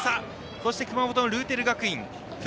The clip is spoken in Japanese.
そして熊本のルーテル学院。